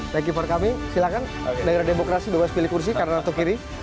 thank you for kami silakan daerah demokrasi bebas pilih kursi kanan atau kiri